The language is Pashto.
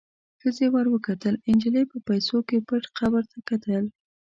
ښخې ور وکتل، نجلۍ په پیسو کې پټ قبر ته کتل.